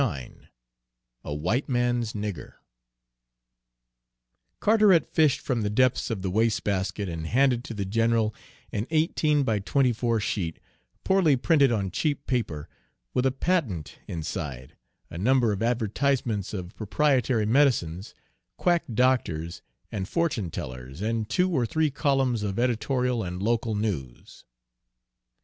IX A WHITE MAN'S "NIGGER" Carteret fished from the depths of the waste basket and handed to the general an eighteen by twenty four sheet, poorly printed on cheap paper, with a "patent" inside, a number of advertisements of proprietary medicines, quack doctors, and fortune tellers, and two or three columns of editorial and local news.